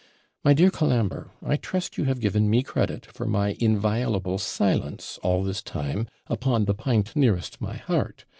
My dear Colambre, I trust you have given me credit for my inviolable silence all this time upon the PINT nearest my heart.